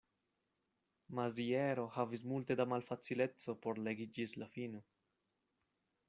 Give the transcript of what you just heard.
Maziero havis multe da malfacileco por legi ĝis la fino.